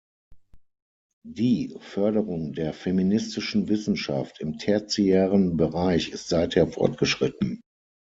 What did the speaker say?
Die Förderung der feministischen Wissenschaft im tertiären Bereich ist seither fortgeschritten.